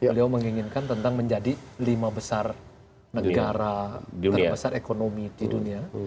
beliau menginginkan tentang menjadi lima besar negara terbesar ekonomi di dunia